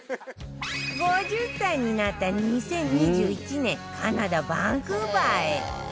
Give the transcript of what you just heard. ５０歳になった２０２１年カナダバンクーバーへ